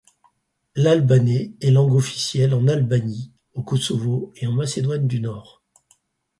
L'albanais est langue officielle en Albanie, au Kosovo et en Macédoine du Nord.